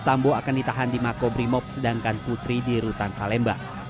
sambo akan ditahan di makobrimob sedangkan putri di rutan salemba